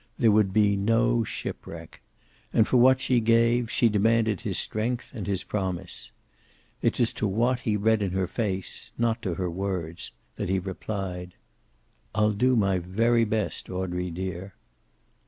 There would be no shipwreck. And for what she gave, she demanded his strength and his promise. It was to what he read in her face, not to her words, that he replied: "I'll do my very best, Audrey dear."